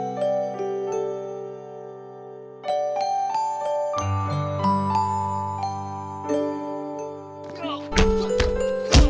mama itu dibalikin dulu tapi